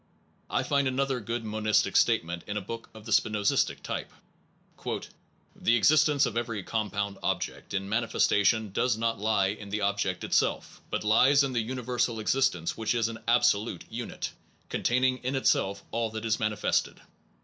I find another good monistic statement in a book of the spinozistic type :... The existence of every compound object in manifestation does not lie in the object itself, but lies in the universal existence which is an absolute unit, containing in itself all that is manifested.